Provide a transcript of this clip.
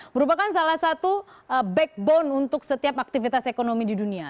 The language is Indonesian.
merupakan salah satu backbone untuk setiap aktivitas ekonomi di dunia